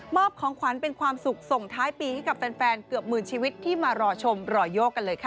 อบของขวัญเป็นความสุขส่งท้ายปีให้กับแฟนเกือบหมื่นชีวิตที่มารอชมรอยโยกกันเลยค่ะ